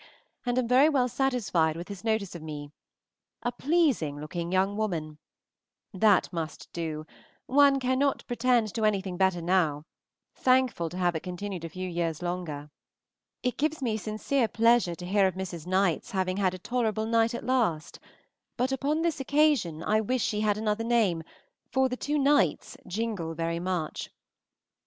and am very well satisfied with his notice of me "A pleasing looking young woman" that must do; one cannot pretend to anything better now; thankful to have it continued a few years longer! It gives me sincere pleasure to hear of Mrs. Knight's having had a tolerable night at last, but upon this occasion I wish she had another name, for the two nights jingle very much.